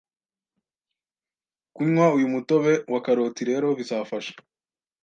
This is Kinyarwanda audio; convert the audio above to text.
Kunywa uyu mutobe wa karoti rero bizafasha